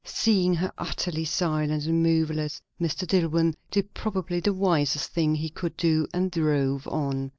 Seeing her utterly silent and moveless, Mr. Dillwyn did probably the wisest thing he could do, and drove on.